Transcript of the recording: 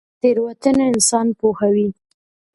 تیروتنه انسان پوهوي